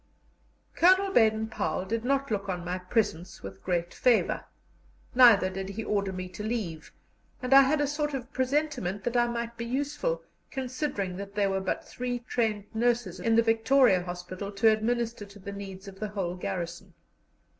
Colonel Baden Powell did not look on my presence with great favour, neither did he order me to leave, and I had a sort of presentiment that I might be useful, considering that there were but three trained nurses in the Victoria Hospital to minister to the needs of the whole garrison.